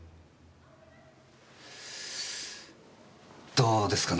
どうですかね？